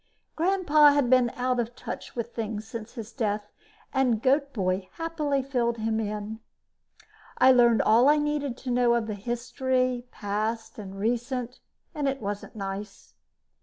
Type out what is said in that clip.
Grandpa had been out of touch with things since his death and Goat boy happily filled him in. I learned all I needed to know of the history, past and recent, and it wasn't nice.